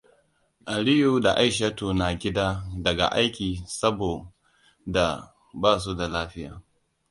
Aliyuaa da Aishatu na gida daga aiki saboda ba su da lafiya.